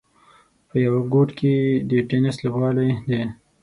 په یوه ګوټ کې یې د ټېنس لوبغالی دی.